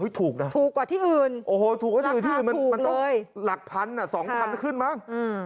เฮ้ยถูกนะถูกกว่าที่อื่นมันต้องหลักพันธุ์สองพันธุ์ขึ้นมั้ง